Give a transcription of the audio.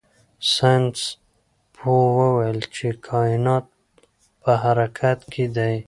ساینس پوه وویل چې کائنات په حرکت کې دي.